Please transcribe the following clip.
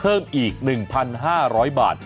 แล้วนั้นคุณก็จะได้รับเงินเข้าแอปเป๋าตังค์